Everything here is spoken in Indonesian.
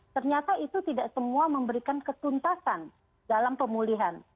ternyata itu tidak semua memberikan ketuntasan dalam pemulihan